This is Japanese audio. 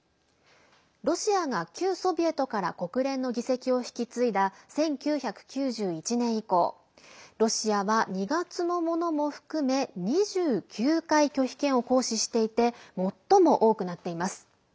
ロシアが旧ソビエトから国連の議席を引き継いだ１９９１年以降ロシアは２月のものも含め２９回、拒否権を行使していて最も多くなっています。